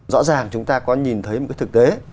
rõ ràng chúng ta có nhìn thấy một cái thực tế